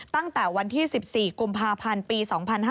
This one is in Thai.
ตั้งแต่วันที่๑๔กุมภาพันธ์ปี๒๕๕๙